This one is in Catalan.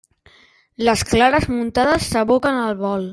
Les clares muntades s'aboquen al bol.